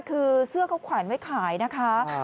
คือเสื้อเขาแขวนไว้ขายนะคะ